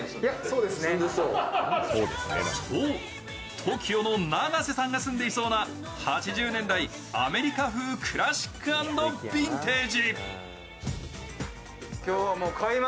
ＴＯＫＩＯの長瀬さんが住んでいそうな、８０年代アメリカ風クラシック＆ビンテージ。